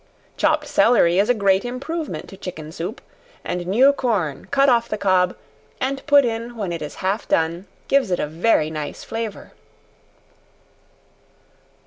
Chopped celery is a great improvement to chicken soup; and new corn, cut off the cob, and put in when it is half done, gives it a very nice flavor.